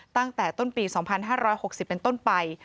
ตั้งแต่ต้นปี๒๕๖๐เป็นต้นไป